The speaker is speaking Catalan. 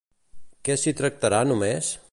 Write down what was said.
Què s'hi tractarà només?